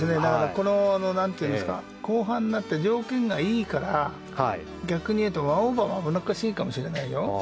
この後半になって条件がいいから逆にいうと１オーバーは危なっかしいかもしれないよ。